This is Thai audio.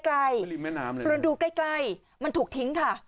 ไปรีบแม่น้ำเลยมันถูกทิ้งค่ะ